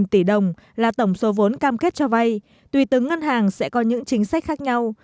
hai trăm năm mươi tỷ đồng là tổng số vốn cam kết cho vay tùy tướng ngân hàng sẽ có những chính sách khác nhau